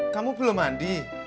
kamu belum mandi